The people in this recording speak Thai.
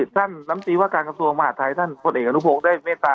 ท่านน้ำจริวิวาร์การกระทรวงที่มาหาท้ายท่านคนเหล่านุโพศได้เมตตา